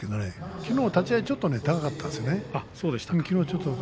きのうは立ち合いちょっと高かったですね。